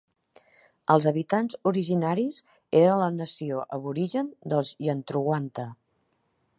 Els habitants originaris eren la nació aborigen dels Yantruwanta.